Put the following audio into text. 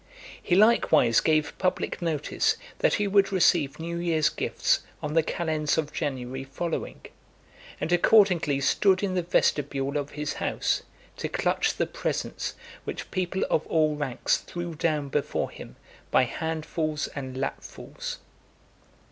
He likewise gave public notice, that he would receive new year's gifts on the calends of January following; and accordingly stood in the vestibule of his house, to clutch the presents which people of all ranks threw down before him by handfuls and lapfuls.